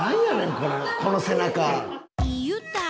この背中。